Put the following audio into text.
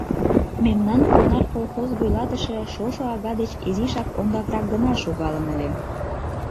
Мемнан «Понар» колхоз вуйлатыше шошо ага деч изишак ондакрак гына шогалын ыле.